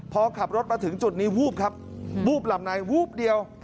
พอขับรถมาถึงจุดนี้วูบครับวูบหลับในวูบเดียว